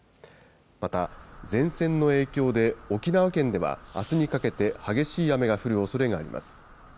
また、前線の影響で、沖縄県ではあすにかけて、激しい雨が降るおそれがあります。